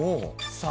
さあ。